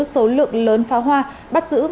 số lượng lớn phá hoa bắt giữ